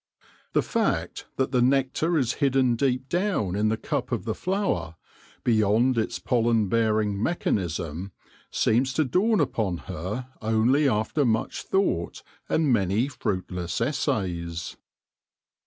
The fact that the nectar is hidden deep down in the cup of the flower, beyond its pollen bearing mechan ism, seems to dawn upon her only after much thought and many fruitless essays.